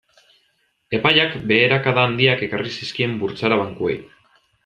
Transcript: Epaiak beherakada handiak ekarri zizkien burtsara bankuei.